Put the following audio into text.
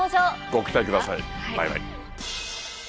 ご期待くださいバイバイ。